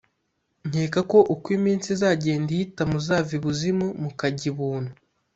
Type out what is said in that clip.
nkeka ko uko iminsi izagenda ihita muzava ibuzimu mukajya ibuntu